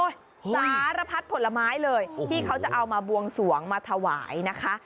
สารพัดผลไม้เลยที่เขาจะเอามาบวงสวงมาถวายนะคะ